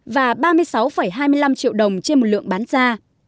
và ba mươi sáu hai mươi năm triệu đồng trên một lượng bán ra